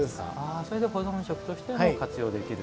それで保存食としても活用できる。